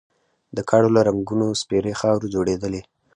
د کاڼو له رنګونو سپېرې خاورې دوړېدلې.